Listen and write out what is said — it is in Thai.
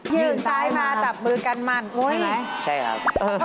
ยืนซ้ายมาจับมือกันมันโอ้ยไหมใช่ครับ